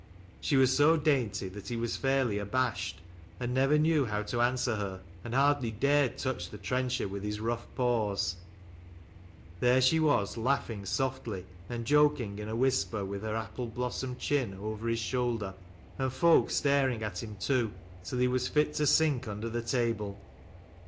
She was so dainty that he was fairly abashed, and never knew how to answer her, and hardly dared touch the trencher with his rough paws. There she was laughing softly, and joking in a whisper, with her apple blossom chin over his shoulder; and folk staring at him too, till he was fit to sink under the table.